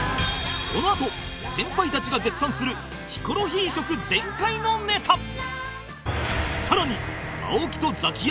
このあと先輩たちが絶賛するヒコロヒー色全開のネタ